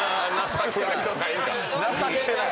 情けない。